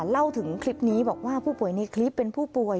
เล่าถึงคลิปนี้บอกว่าผู้ป่วยในคลิปเป็นผู้ป่วย